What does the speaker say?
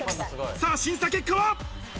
さぁ、審査結果は？